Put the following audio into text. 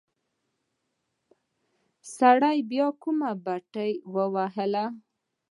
سړي بيا کوم بټن وواهه.